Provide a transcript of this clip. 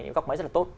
góc máy rất là tốt